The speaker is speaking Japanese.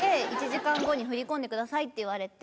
１時間後に振り込んでくださいって言われて。